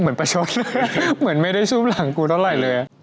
เหมือนกูเป็นผชชนะน่ะเหมือนไม่ได้ชมหลังกูเท่าไหร่เลย